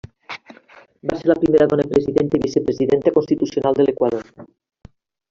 Va ser la primera dona presidenta i vicepresidenta constitucional de l'Equador.